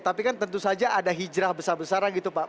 tapi kan tentu saja ada hijrah besar besaran gitu pak